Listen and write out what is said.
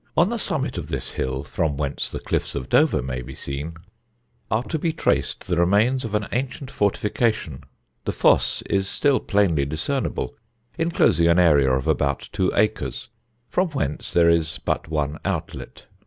On the summit of this hill (from whence the cliffs of Dover may be seen) are to be traced the remains of an ancient fortification; the fosse is still plainly discernible, enclosing an area of about two acres, from whence there is but one outlet.